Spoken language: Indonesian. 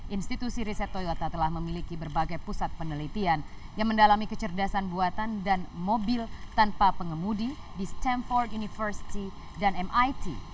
institusi riset toyota telah memiliki berbagai pusat penelitian yang mendalami kecerdasan buatan dan mobil tanpa pengemudi di stempor university dan mit